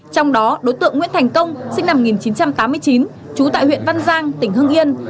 trong đó đối tượng nguyễn thành công sinh năm một nghìn chín trăm tám mươi chín trú tại huyện văn giang tỉnh hưng yên